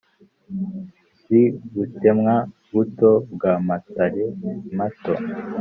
z’i butemwa-buto bwa matare-mato